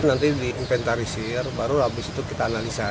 nanti diinventarisir baru habis itu kita analisa